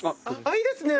いいですね！